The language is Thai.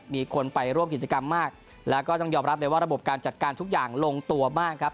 มีคนไปร่วมกิจกรรมมากแล้วก็ต้องยอมรับเลยว่าระบบการจัดการทุกอย่างลงตัวมากครับ